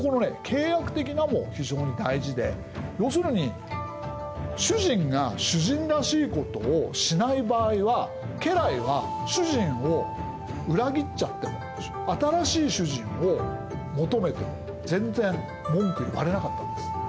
「契約的な」も非常に大事で要するに主人が主人らしいことをしない場合は家来は主人を裏切っちゃっても新しい主人を求めても全然文句言われなかったんです。